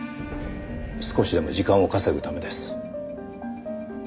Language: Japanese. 少しでも時間を稼ぐためです。